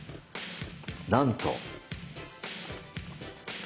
なんと。